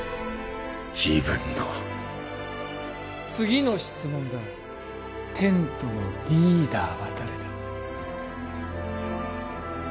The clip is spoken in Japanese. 自分の次の質問だテントのリーダーは誰だ？